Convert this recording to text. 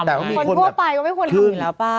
แต่คนทั่วไปก็ไม่ควรทำอยู่แล้วป่ะ